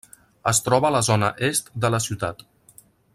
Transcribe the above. Es troba a la zona est de la ciutat.